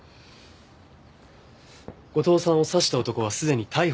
後藤さんを刺した男はすでに逮捕されています。